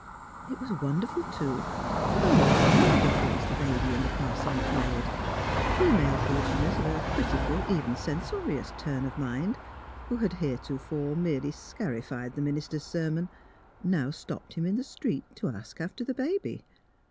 It was wonderful, too, what an all round dif ference the baby in the parsonage made. Female parishioners of a critical, even censorious turn of mind, who had heretofore merely scarified the minister's sermons, now stopped him in the street to ask after the baby.